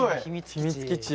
秘密基地や。